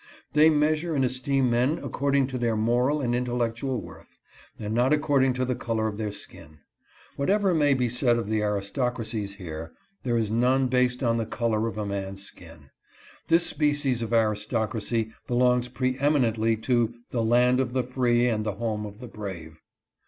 They measure and esteem men according to their moral and intellectual worth, and not according to the color of their skin. Whatever may be said of the aristocracies here, there is none based on the color of a man's skin. This species of aristocracy belongs preeminently to " the land of the freer and the home of the brave."